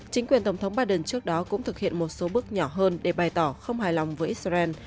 chính quyền tổng thống biden trước đó cũng thực hiện một số bước nhỏ hơn để bày tỏ không hài lòng với israel